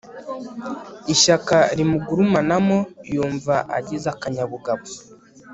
ishyaka rimugurumanamo yumva agize akanyabugabo